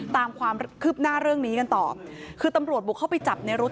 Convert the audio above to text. ตามความคืบหน้าเรื่องนี้กันต่อคือตำรวจบุกเข้าไปจับในรถ